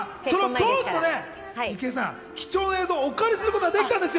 当時の貴重映像をお借りすることができたんです。